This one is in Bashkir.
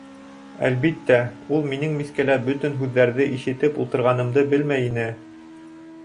Әлбиттә, ул минең мискәлә бөтөн һүҙҙәрен ишетеп ултырғанымды белмәй ине.